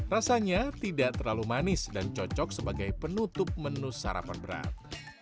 rasanya tidak terlalu manis dan cocok sebagai penutup menu sarapan berat